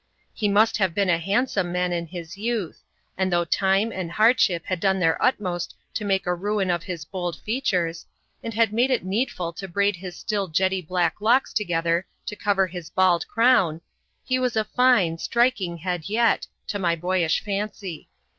He must have been a handsome man in his youth, and though time and hardship had done their utmost to make a ruin of his bold features, and had made it needful to braid his still jetty black locks together to cover his bald crown, his was a fine, striking head yet, to my boyish fancy.